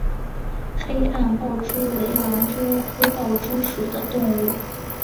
黑暗豹蛛为狼蛛科豹蛛属的动物。